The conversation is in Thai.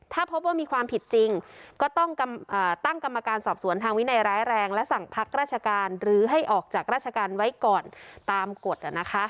ถ้าพบว่ามีความผิดจริงก็ต้องตั้งกรรมการสอบสวนทางวินัยร้ายแรงและสั่งพักราชการหรือให้ออกจากราชการไว้ก่อนตามกฎ